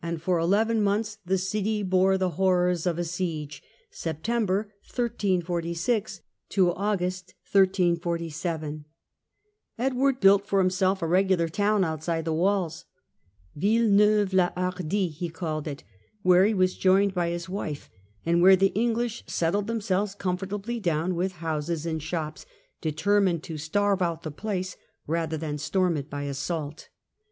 1346 for eleven months the city bore the horrors of a siege. *°|^"s Edward built for himself a regular town outside the walls, Villeneuve la Hardi he called it, where he was joined by his wife, and where the English settled themselves com fortably down with houses and shops, determined to starve out the place rather than storm it by assault.